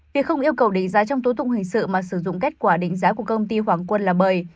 việc không yêu cầu định giá trong tố tụng hình sự mà sử dụng kết quả định giá của công ty hoàng quân là bởi